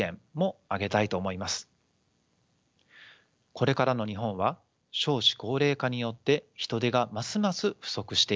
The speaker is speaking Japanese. これからの日本は少子高齢化によって人手がますます不足していきます。